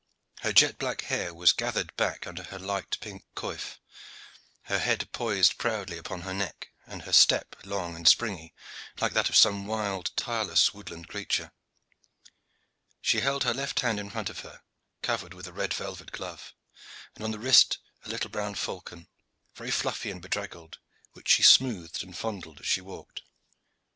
Her jet black hair was gathered back under a light pink coif, her head poised proudly upon her neck, and her step long and springy, like that of some wild, tireless woodland creature. She held her left hand in front of her, covered with a red velvet glove, and on the wrist a little brown falcon, very fluffy and bedraggled, which she smoothed and fondled as she walked.